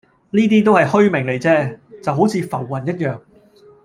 呢啲都係虛名嚟啫，就好似浮雲一樣